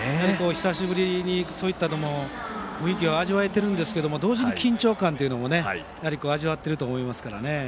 久しぶりにそういった雰囲気を味わっていますが同時に緊張感も味わっていると思いますからね。